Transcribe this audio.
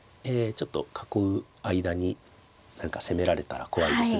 ちょっと囲う間に何か攻められたら怖いですね。